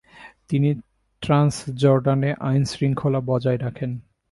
তিনি ট্রান্সজর্ডানে আইনশৃঙ্খলা বজায় রাখেন।